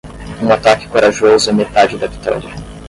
Um ataque corajoso é metade da vitória.